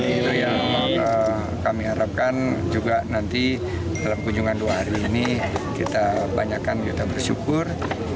itu yang kami harapkan juga nanti dalam kunjungan dua hari ini kita banyakan kita bersyukur